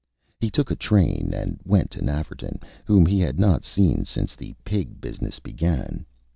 He took a train and went to Nafferton, whom he had not seen since the Pig business began.